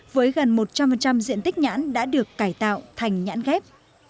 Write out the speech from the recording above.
với gần một trăm linh diện tích nhãn đã được cải tạo thành nhãn ghép